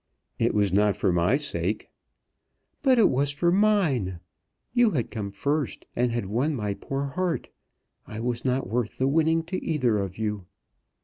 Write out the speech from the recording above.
"It was not for my sake." "But it was for mine. You had come first, and had won my poor heart. I was not worth the winning to either of you."